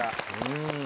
うん。